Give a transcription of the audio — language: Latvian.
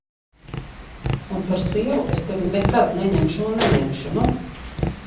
Un par sievu es tevi nekad neņemšu un neņemšu, nu!